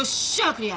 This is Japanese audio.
クリア！